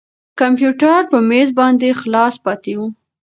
کمپیوټر په مېز باندې خلاص پاتې و.